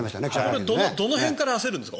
どの辺から焦るんですか？